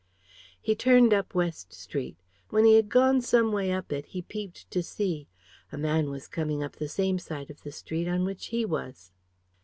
He turned up West Street. When he had gone some way up it he peeped to see. A man was coming up the same side of the street on which he was.